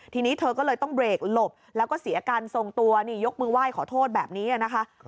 ทีนี้เธอก็เลยต้องเบรกหลบแล้วก็เสียการทรงตัวนี่ยกมือไหว้ขอโทษแบบนี้นะคะ